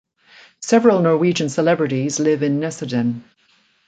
Several Norwegian celebrities live in Nesodden.